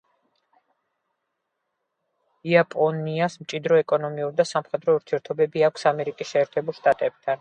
იაპონიას მჭიდრო ეკონომიკური და სამხედრო ურთიერთობები აქვს ამერიკის შეერთებულ შტატებთან.